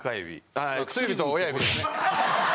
ああ薬指と親指ですね。